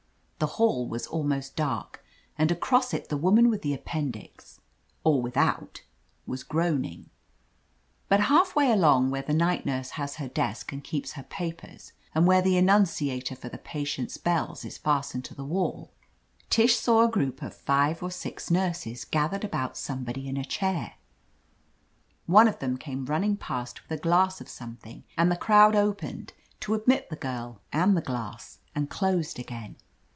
The hall was almost dark and across it the woman with the appendix — or without — ^was groaning. But half way along, where the night nurse has her desk and keeps her papers and where the annunciator for the patients' bdls is fastened to the wall, Tish saw a group 4 OF. LETITIA CARBERRY of five or six nurses, gathered about somebody in a chair. One of them came running past with a glass of something, and the crowd opened to admit the girl and the glass and closed again.